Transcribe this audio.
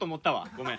ごめん。